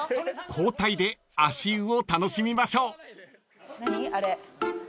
［交代で足湯を楽しみましょう］